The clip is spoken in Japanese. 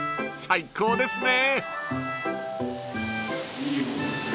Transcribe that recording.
最高ですね］